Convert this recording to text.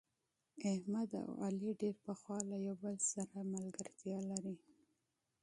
احمد او علي ډېر پخوا یو له بل سره دوستي یاري لري.